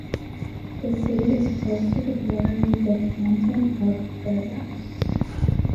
The city is close to the border with the Canton of Thurgau.